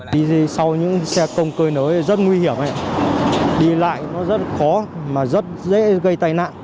đi thì sau những xe công cơi nới rất nguy hiểm đi lại nó rất khó mà rất dễ gây tai nạn